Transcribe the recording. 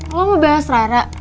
lu mau bahas rara